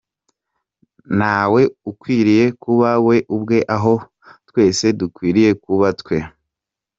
Ntawe ukwiriye kuba ’we’ ubwe aho twese dukwiriye kuba ’twe’.